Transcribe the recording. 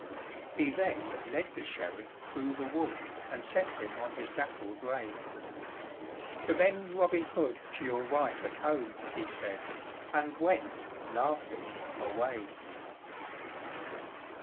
He then led the Sheriff through the wood, And set him on his dapple grey; "Commend Robin Hood to your wife at home," He said, and went laughing away.